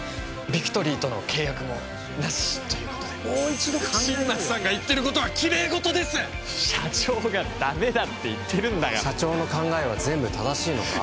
ビクトリーとの契約もなしということでもう一度考えようよ新町さんが言ってることはきれい事です！社長がダメだって言ってるんだから社長の考えは全部正しいのか？